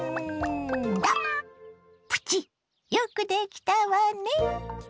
プチよくできたわね。